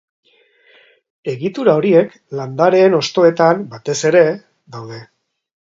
Egitura horiek landareen hostoetan, batez ere, daude.